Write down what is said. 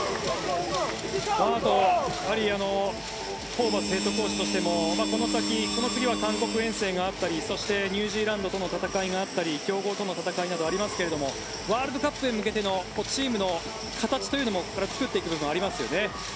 やはりホーバスヘッドコーチとしてもこの先この次は韓国遠征があったりそして、ニュージーランドとの戦いがあったり強豪との戦いがありますがワールドカップへ向けてのチームの形というのも作っていく部分はありますよね。